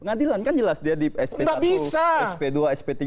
pengadilan kan jelas dia di sp satu sp dua sp tiga